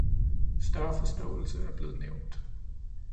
Større forståelse er blevet nævnt.